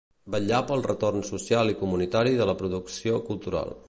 Vetllar pel retorn social i comunitari de la producció cultural.